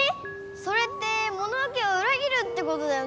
それってモノノ家をうら切るってことだよね？